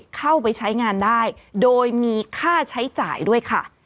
เข้าไปใช้งานได้โดยมีค่าใช้จ่ายด้วยค่ะ